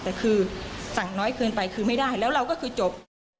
แต่คือสั่งน้อยเกินไปคือไม่ได้แล้วเราก็คือจบ